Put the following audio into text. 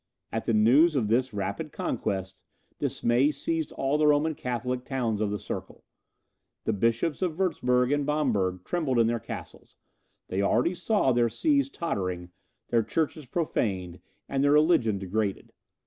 At the news of this rapid conquest, dismay seized all the Roman Catholic towns of the circle. The Bishops of Wurtzburg and Bamberg trembled in their castles; they already saw their sees tottering, their churches profaned, and their religion degraded.